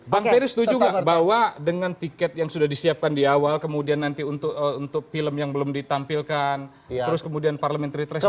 bang ferry setuju nggak bahwa dengan tiket yang sudah disiapkan di awal kemudian nanti untuk film yang belum ditampilkan terus kemudian parliamentary threshol